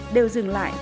đều dừng lại